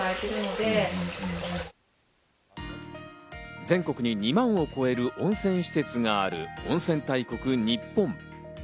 全国に２万を超える温泉施設がある温泉大国ニッポン。